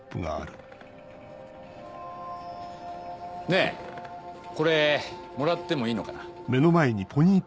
ねぇこれもらってもいいのかな？